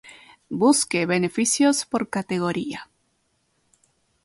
Busque beneficios por categoría